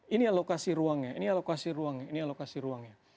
ini alokasi ruangnya ini alokasi ruang ini alokasi ruangnya